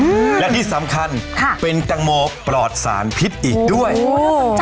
อืมและที่สำคัญค่ะเป็นแตงโมปลอดสารพิษอีกด้วยโอ้น่าสนใจ